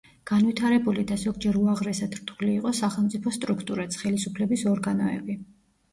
განვითარებული და ზოგჯერ უაღრესად რთული იყო სახელმწიფო სტრუქტურაც, ხელისუფლების ორგანოები.